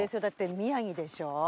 だって宮城でしょ？